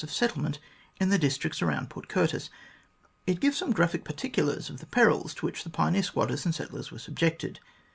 of settlement in the districts around Port Curtis. It gives some graphic particulars of the perils to which the pioneer squatters and settlers were subjected.